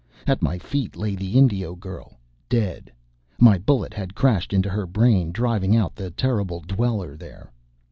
At my feet lay the Indio girl, dead. My bullet had crashed into her brain, driving out the terrible dweller there.